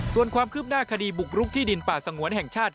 ส่วนความคืบหน้าคดีบุกรุกที่ดินป่าสงวนแห่งชาติ